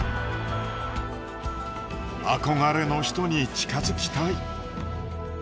憧れの人に近づきたい。